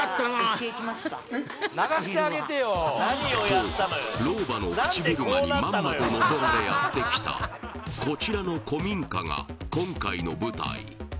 と老婆の口車にまんまと乗せられやってきたこちらの古民家が今回の舞台